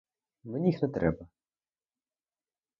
Мені їх не треба.